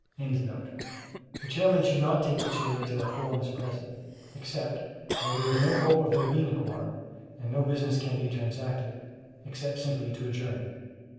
] The Chairman should not take the chair till a quorum is present, except where there is no hope of there being a quorum, and then no business can be transacted, except simply to adjourn.